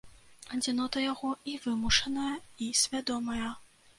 Адзінота яго і вымушаная, і свядомая.